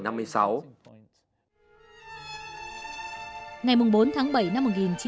ngày bốn tháng bảy năm một nghìn chín trăm ba mươi bốn